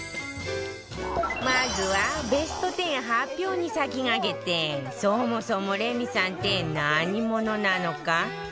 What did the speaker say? まずはベスト１０発表に先駆けてそもそもレミさんって何者なのか？